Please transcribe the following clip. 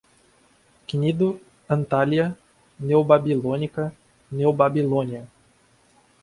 Cnido, Antália, neobabilônica, neobabilônia